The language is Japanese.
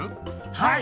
はい！